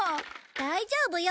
大丈夫よ。